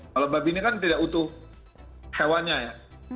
kalau babi ini kan tidak utuh hewannya ya